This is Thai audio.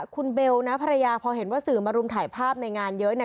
คุณเบลนะภรรยาพอเห็นว่าสื่อมารุมถ่ายภาพในงานเยอะเนี่ย